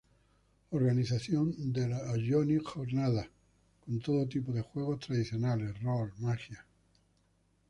Organización de las Johnny Jornadas, con todo tipo de juegos: tradicionales, rol, magia...